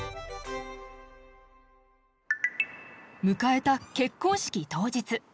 迎えた結婚式当日。